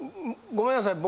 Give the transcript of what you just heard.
ごめんなさい。